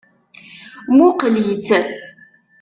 Muqqel-itt.